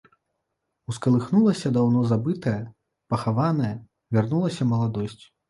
Ускалыхнулася даўно забытае, пахаванае, вярнулася маладосць.